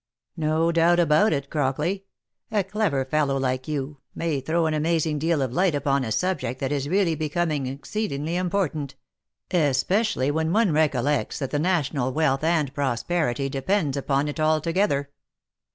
"No doubt about it, Crockley: a clever fellow, like you, may throw an amazing deal of light upon a subject that is really be coming exceedingly important; especially when one recollects that the national wealth and prosperity depends upon it altogether.